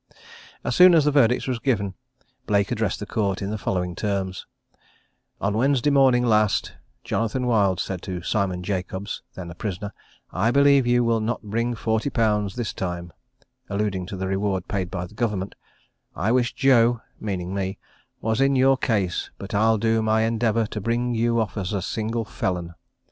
As soon as the verdict was given, Blake addressed the Court in the following terms: "On Wednesday morning last, Jonathan Wild said to Simon Jacobs (then a prisoner), "I believe you will not bring forty pounds this time (alluding to the reward paid by Government); I wish Joe (meaning me) was in your case; but I'll do my endeavour to bring you off as a single felon."